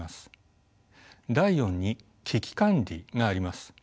第４に危機管理があります。